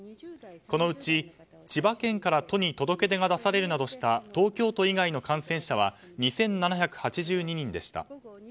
このうち、千葉県から都に届け出が出されるなどした東京都以外の感染者は２７８２人でした。